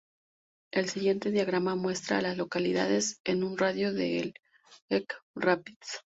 El siguiente diagrama muestra a las localidades en un radio de de Elk Rapids.